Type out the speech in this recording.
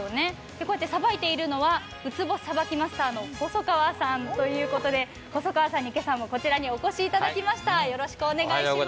こうやってさばいているのはうつぼさばきマスターの細川さんということで、細川さんに今朝もこちらにお越しいただきました。